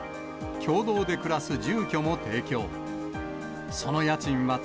共同で暮らす住居も提供。